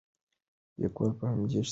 لیکوال په همدې شتمنۍ ویاړي.